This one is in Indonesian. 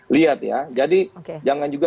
lihat ya jadi jangan juga